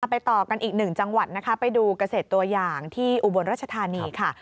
ไปต่อกันอีกหนึ่งจังหวัดนะคะไปดูเกษตรตัวอย่างที่อุบลรัชธานีค่ะ